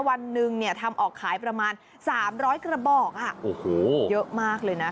วันหนึ่งทำออกขายประมาณ๓๐๐กระบอกเยอะมากเลยนะ